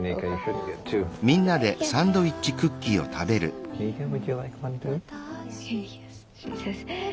おいしい。